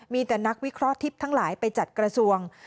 มีแต่นักวิเคราะห์ทิพย์ทั้งหลายไปจัดกระทรวง